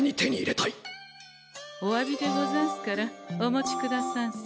おわびでござんすからお持ちくださんせ。